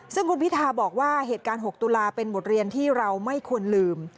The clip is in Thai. ซึ่งคุณพิทาบอกว่าเหตุการณ์๖ตุลาเป็นบทเรียนที่เราไม่ควรลืม